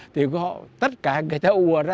thì tất cả người ta ùa ra